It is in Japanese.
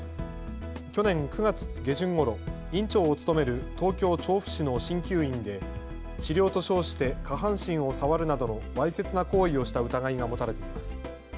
去年９月下旬ごろ、院長を務める東京調布市のしんきゅう院で治療と称して下半身を触るなどのわいせつな行為をした疑いが持たれています。